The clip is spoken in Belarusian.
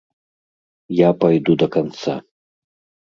Я пайду да канца.